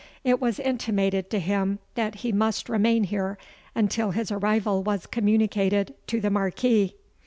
It was intimated to him that he must remain here until his arrival was communicated to the Marquis.